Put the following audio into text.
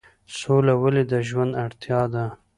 سوله ولې د ژوند اړتیا ده؟